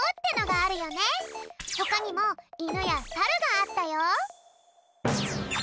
ほかにもいぬやさるがあったよ。